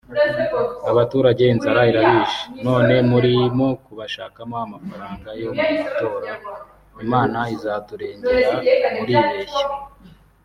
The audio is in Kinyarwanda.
Abaturage inzara irabishe none murimo kubashakamo namafaranga yo mumatora Imana izaturengera muribeshya